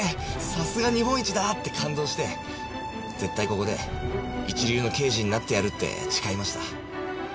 さすが日本一だ！って感動して絶対ここで一流の刑事になってやるって誓いました。